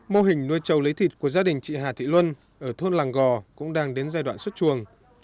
mô hình nuôi trâu lấy thịt của gia đình chị hà thị luân ở thôn làng gò cũng đang đến giai đoạn xuất chuồng